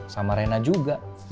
sama rena juga